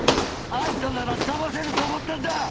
あんたなら騙せると思ったんだ！